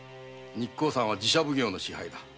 日光山は寺社奉行の支配だ。